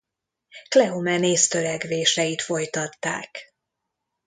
Kleomenész törekvéseit folytatták.